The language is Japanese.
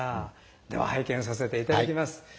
では拝見させていただきます。